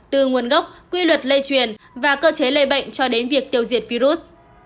từ nguồn gốc quy luật lây truyền và cơ chế lây bệnh cho đến việc tiêu diệt virus